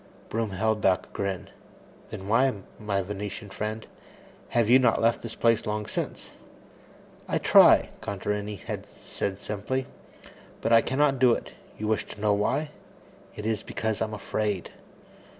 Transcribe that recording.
Broom held back a grin. "Then why, my Venetian friend, have you not left this place long since?" "I try," Contarini had said simply, "but I cannot do it. You wish to know why? It is because I am afraid."